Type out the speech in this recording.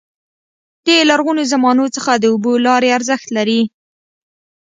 د لرغوني زمانو څخه د اوبو لارې ارزښت لري.